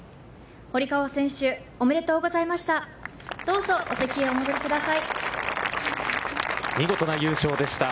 堀川選手、おめでとうございました。